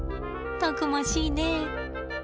たくましいね。